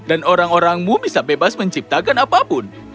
dan orang orangmu bisa bebas menciptakan apapun